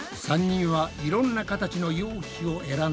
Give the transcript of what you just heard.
３人はいろんな形の容器を選んだぞ。